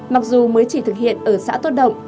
mặc dù mới chỉ thực hiện ở xã tốt động